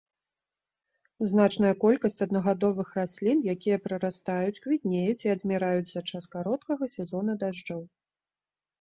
Значная колькасць аднагадовых раслін, якія прарастаюць, квітнеюць і адміраюць за час кароткага сезона дажджоў.